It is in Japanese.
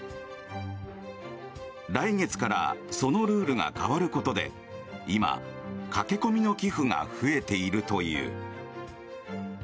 来月からそのルールが変わることで今、駆け込みの寄付が増えているという。